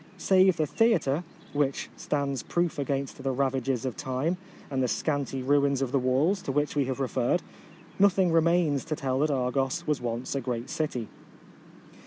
Save the the atre, which stands proof against the ravages of time, and the scanty ruins of the walls to which we have referred, nothing remains to tell that Argos was once a great city.